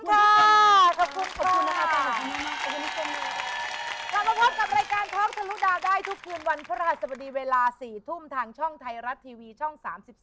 กลับมาพบกับรายการพร้อมทะลุดาวได้ทุกคืนวันพระหัสบดีเวลา๔ทุ่มทางช่องไทยรัฐทีวีช่อง๓๒